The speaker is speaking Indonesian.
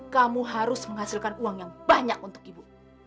kamu harus menghasilkan uang yang banyak untuk ibu